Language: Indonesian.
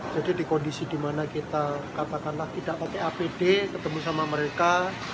jadi di kondisi di mana kita katakanlah tidak pakai apd ketemu sama mereka